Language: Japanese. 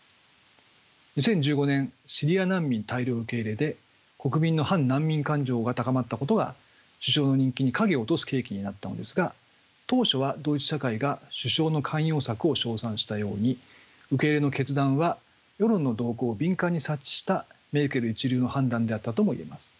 ２０１５年シリア難民大量受け入れで国民の反難民感情が高まったことが首相の人気に影を落とす契機になったのですが当初はドイツ社会が首相の寛容策を称賛したように受け入れの決断は世論の動向を敏感に察知したメルケル一流の判断であったともいえます。